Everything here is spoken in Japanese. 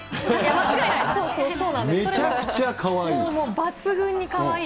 めちゃくちゃかわいい。